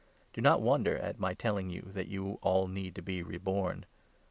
Do not 7 wonder at my telling you that you all need to be reborn.